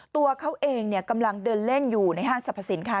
ตัวเขาเองกำลังเดินเล่นอยู่ในห้างสรรพสินค้า